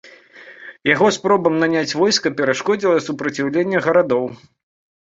Яго спробам наняць войска перашкодзіла супраціўленне гарадоў.